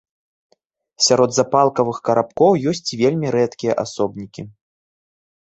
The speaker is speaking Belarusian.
Сярод запалкавых карабкоў ёсць і вельмі рэдкія асобнікі.